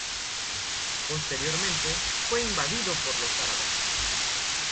Posteriormente fue invadido por los árabes.